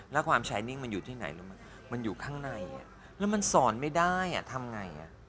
แล้วความชายนิ่งมันอยู่ที่ไหนรู้ไหมมันอยู่ข้างในแล้วมันสอนไม่ได้ทำไง